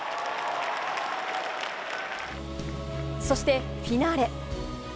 そして、フィナーレ。